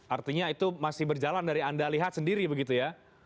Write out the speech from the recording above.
artinya itu masih berjalan dari anda lihat sendiri begitu ya